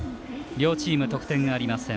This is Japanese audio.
両チーム得点ありません。